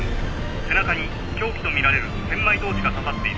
背中に凶器とみられる千枚通しが刺さっている。